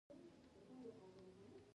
د بادامو ډولونه کاغذي او سنګي دي.